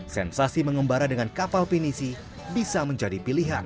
sensasi mengembara dengan kapal pinisi bisa menjadi pilihan